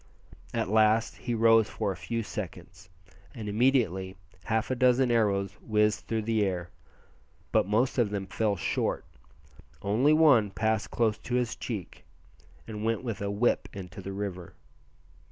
At last he rose for a few seconds, and immediately half a dozen arrows whizzed through the air; but most of them fell short only one passed close to his cheek, and went with a "whip" into the river.